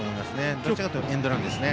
どちらかというとエンドランですね。